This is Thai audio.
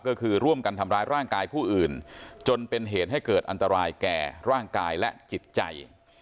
ก็คือร่วมกันทำร้ายร่างกายผู้อื่นจนเป็นเหตุให้เกิดอันตรายแก่ร่างกายและจิตใจ